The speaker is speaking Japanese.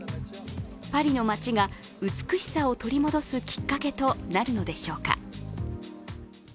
パリの街が、美しさを取り戻すきっかけとなるのでしょうか。